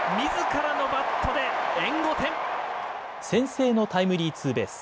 先制のタイムリーツーベース。